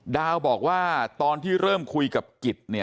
ดาวบอกว่าตอนที่เริ่มคุยกับกิจ